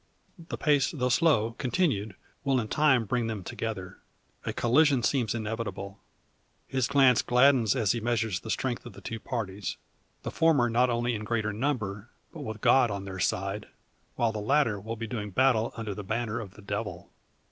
The pace though slow, continued, will in time bring them together. A collision seems inevitable. His glance gladdens as he measures the strength of the two parties. The former not only in greater number, but with God on their side; while the latter will be doing battle under the banner of the Devil.